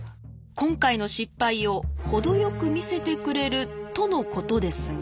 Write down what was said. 今回の失敗を程よく見せてくれるとのことですが。